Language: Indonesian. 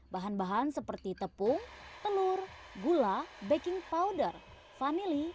bahan bahan seperti tepung telur gula baking powder vanili